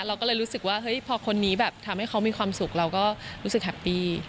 เราก็เลยรู้สึกว่าเฮ้ยพอคนนี้แบบทำให้เขามีความสุขเราก็รู้สึกแฮปปี้